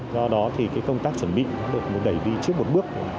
do đó thì công tác chuẩn bị cũng được đẩy đi trước một bước